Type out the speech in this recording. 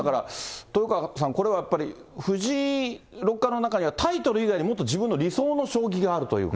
豊川さん、これはやっぱり藤井六冠の中には、タイトル以外、もっと自分の理想の将棋があるというか。